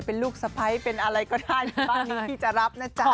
เป็นลูกสะพ้ายเป็นอะไรก็ได้ในบ้านนี้พี่จะรับนะจ๊ะ